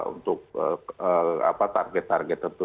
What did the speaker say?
untuk target target tertentu